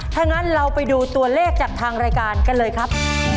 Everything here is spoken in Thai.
ถ้างั้นเราไปดูตัวเลขจากทางรายการกันเลยครับ